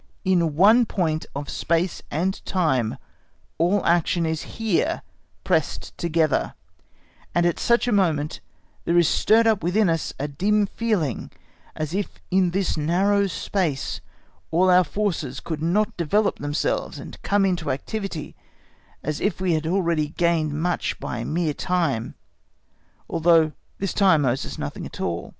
in one point of space and time all action is here pressed together, and at such a moment there is stirred up within us a dim feeling as if in this narrow space all our forces could not develop themselves and come into activity, as if we had already gained much by mere time, although this time owes us nothing at all.